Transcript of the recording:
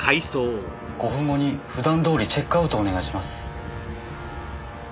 ５分後に普段どおりチェックアウトをお願いします。